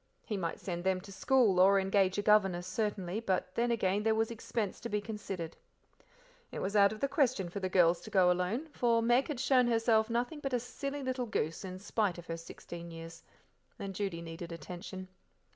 He might send them to school, or engage a governess certainly, but then again there was expense to be considered. It was out of the question for the girls to go alone, for Meg had shown herself nothing but a silly little goose, in spite of her sixteen years; and Judy needed attention.